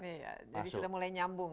iya jadi sudah mulai nyambung